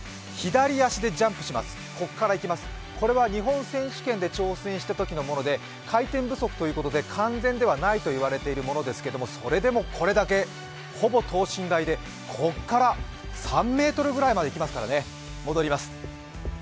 左足でジャンプします、これは日本選手権で挑戦したときのもので回転不足ということで完全ではないといわれているものですけれどもそれでもこれだけ、ほぼ等身大でここから３ｍぐらいまでいきますからね。